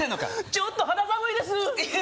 ちょっと肌寒いですいや